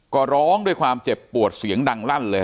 ก็ร้องด้วยความเจ็บปวดเสียงดังลั่นเลย